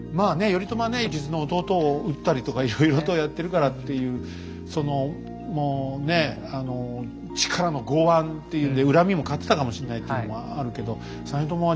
頼朝はね実の弟を討ったりとかいろいろとやってるからっていうそのもうね力の剛腕っていうんで恨みも買ってたかもしれないっていうのもあるけどそうですね。